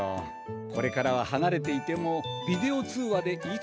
これからははなれていてもビデオ通話でいつでも話せるぞ。